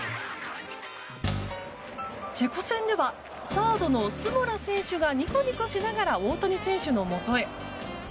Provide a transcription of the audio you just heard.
チェコ戦ではサードのスモラ選手がニコニコしながら大谷選手のもとへ。